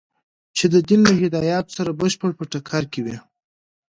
چې د دین له هدایاتو سره بشپړ په ټکر کې وي.